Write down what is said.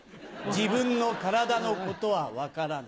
自分の体のことは分からず。